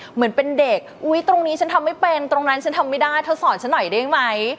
เหมือนเป็นเด็กอุ๊ยตรงนี้ฉันทำไม่เป็นตรงนั้นฉันทำไม่ได้เธอสอนฉันหน่อยได้ไหม